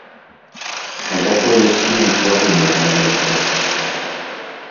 Затое скінуць вагу можна лёгка.